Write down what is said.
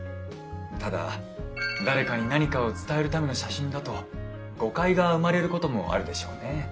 ただ誰かに何かを伝えるための写真だと誤解が生まれることもあるでしょうね。